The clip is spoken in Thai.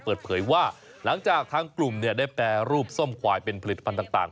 เปิดเผยว่าหลังจากทางกลุ่มได้แปรรูปส้มควายเป็นผลิตภัณฑ์ต่าง